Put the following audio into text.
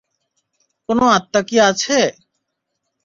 কোনো আত্মা কি আছে?